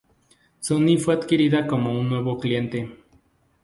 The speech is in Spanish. Sony fue adquirida como un nuevo cliente.